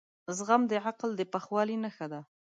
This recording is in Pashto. زغم د عقل د پخوالي نښه ده.